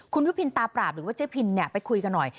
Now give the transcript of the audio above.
คุณยุพินตาปราบหรือว่าเจ๊พินเนี่ยไปคุยกันหน่อย